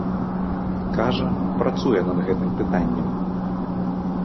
Кажа, працуе над гэтым пытаннем.